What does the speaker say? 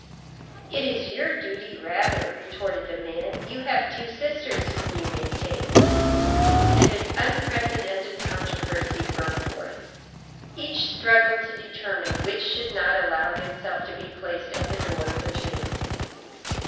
—"It is your duty rather," retorted the man, "you have two sisters whom you maintain."—And an unprecedented controversy broke forth. Each struggled to determine which should not allow himself to be placed at the door of the tomb.